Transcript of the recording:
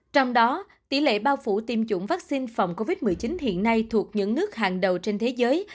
trong đó tỷ lệ bao phủ tiêm chủng vaccine phòng covid một mươi chín hiện nay thuộc những nước hàng đầu trên thế giới